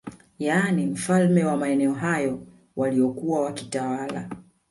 Yani wafalme wa maeneo hayo waliokuwa wakitawala